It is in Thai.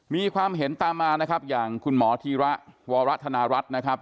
มีความเห็นตามมานะครับอย่างคุณหมอธีระวรธนรัฐนะครับ